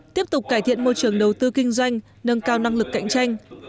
tiếp tục cải thiện môi trường đầu tư kinh doanh nâng cao năng lực cạnh tranh